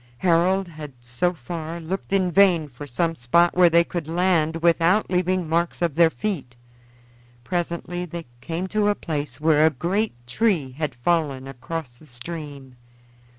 Harold had so far looked in vain for some spot where they could land without leaving marks of their feet. Presently they came to a place where a great tree had fallen across the stream.